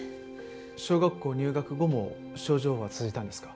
小学校入学後も症状は続いたんですか？